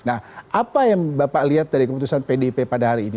nah apa yang bapak lihat dari keputusan pdip pada hari ini